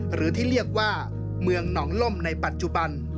หรือที่เรียกว่าเมืองหนองล่มในปัจจุบัน